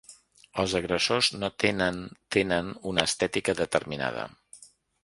Els agressors no tenen tenen una estètica determinada.